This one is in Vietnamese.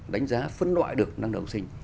đánh giá phân loại được năng lực học sinh